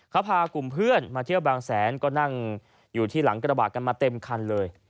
เขาพากลุ่มเพื่อนมาเที่ยวบางแสนก็นั่งอยู่ที่หลังกระบะกันมาเต็มคันเลย